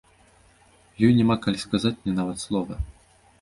Ёй няма калі сказаць мне нават слова.